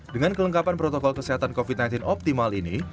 dengan kelengkapan protokol kesehatan covid sembilan belas optimal ini